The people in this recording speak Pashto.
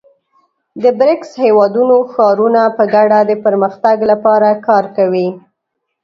د بریکس هېوادونو ښارونه په ګډه د پرمختګ لپاره کار کوي.